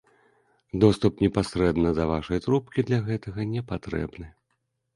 Доступ непасрэдна да вашай трубкі для гэтага не патрэбны.